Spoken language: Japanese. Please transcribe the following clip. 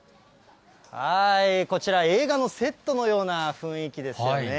こちら、映画のセットのような雰囲気ですよね。